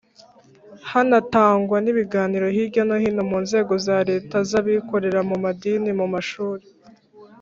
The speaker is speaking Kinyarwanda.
hanatangwa n ibiganiro hirya no hino mu nzego za Leta iz abikorera mu madini mu mashuri